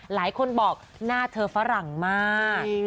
หลายคนบอกหน้าเธอฝรั่งมาก